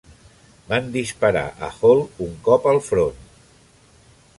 Van disparar a Hall un cop al front.